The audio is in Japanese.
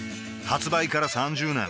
発売から３０年